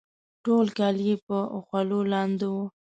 ټول کالي یې په خولو لانده وه